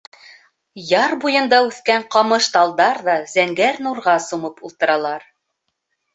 Яр буйында үҫкән ҡамыш-талдар ҙа зәңгәр нурға сумып ултыралар.